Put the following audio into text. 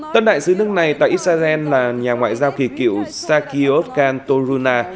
tân đại sứ nước này tại israel là nhà ngoại giao kỳ cựu sakyot kantoruna